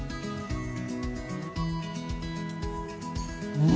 うん？